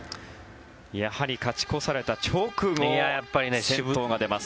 やはり勝ち越された直後先頭が出ます。